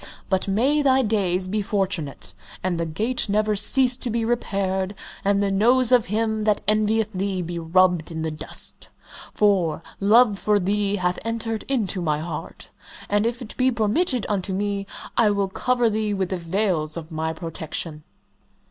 But may thy days be fortunate, and the gate never cease to be repaired, and the nose of him that envieth thee be rubbed in the dust, for love for thee hath entered into my heart, and if it be permitted unto me, I will cover thee with the veils of my protection!"